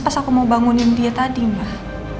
pas aku mau bangunin dia tadi mbah